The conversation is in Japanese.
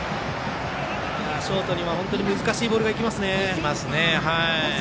ショートには本当に難しいボールがいきますね。